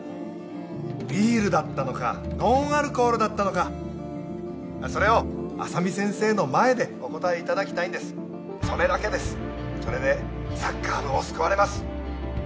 ビールだったのかノンアルコールだったのかそれを浅見先生の前でお答えいただきたいんです☎それだけですそれでサッカー部も救われます